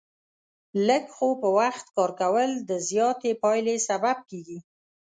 لږ خو په وخت کار کول، د زیاتې پایلې سبب کېږي.